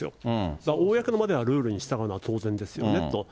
だから公の場ではルールに従うのは当然ですよねと。